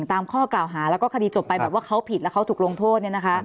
ตามข้อกล่าวหาแล้วก็คดีจบไปเขาผิดแล้วเขาถูกลงโทษ